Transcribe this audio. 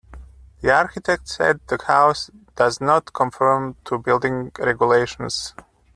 The architect said the house does not conform to building regulations.